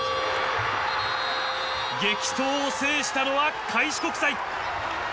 激闘を制したのは開志国際。